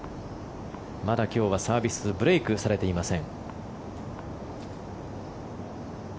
まだ今日はサービスブレークされていません。